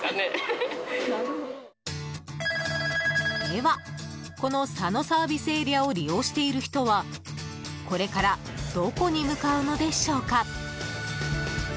では、この佐野ＳＡを利用している人はこれからどこに向かうのでしょうか？